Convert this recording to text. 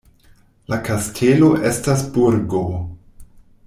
La kastelo estas burgo.